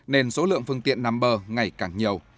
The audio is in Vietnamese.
nên số lượng phương tiện nằm bờ ngày càng nhiều